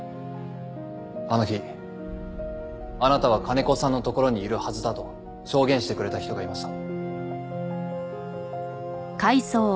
あの日あなたは金子さんのところにいるはずだと証言してくれた人がいました。